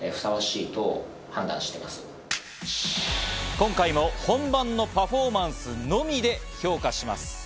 今回も本番のパフォーマンスのみで評価します。